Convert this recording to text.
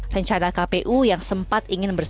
rencana kpu yang sempat ingin bersiap